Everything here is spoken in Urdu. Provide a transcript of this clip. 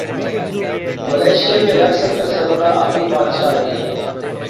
ملائشیا میں ریاست کا سربراہ اب بھی بادشاہ ہی ہے۔